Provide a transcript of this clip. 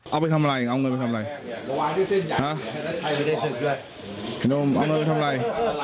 เอาไปทำอะไรเอาเงินไปทำอะไรฮะไม่ได้ซึกด้วยเอาเงินไปทำอะไร